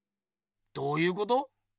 どうゆうこと？